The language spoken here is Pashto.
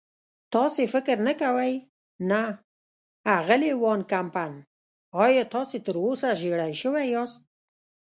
تاسې فکر نه کوئ؟ نه، اغلې وان کمپن، ایا تاسې تراوسه ژېړی شوي یاست؟